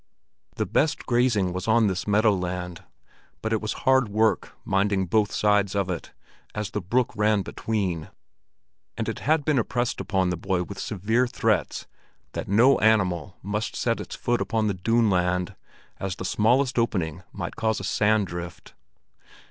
The best grazing was on this meadow land, but it was hard work minding both sides of it, as the brook ran between; and it had been impressed upon the boy with severe threats, that no animal must set its foot upon the dune land, as the smallest opening might cause a sand drift.